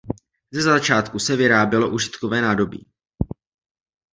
Ze začátku se vyrábělo užitkové nádobí.